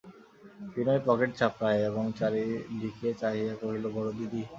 বিনয় pocket চাপড়াইয়া এবং চারি দিকে চাহিয়া কহিল, বড়দিদি!